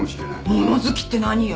物好きって何よ？